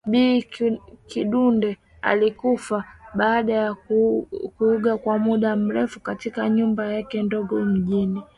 Bi Kidude alikufa baada ya kuugua kwa muda mrefu katika nyumba yake ndogo mjini